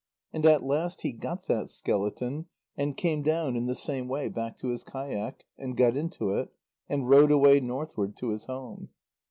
And at last he got that skeleton, and came down in the same way back to his kayak, and got into it, and rowed away northward to his home.